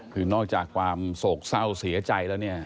คือนอกจากความโศกเศร้าเสียใจแล้วเนี่ย